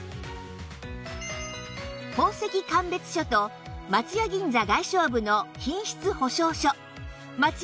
宝石鑑別書と松屋銀座外商部の品質保証書松屋